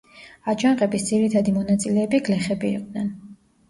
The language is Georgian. აჯანყების ძირითადი მონაწილეები გლეხები იყვნენ.